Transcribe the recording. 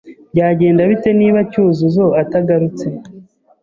Byagenda bite niba Cyuzuzo atagarutse?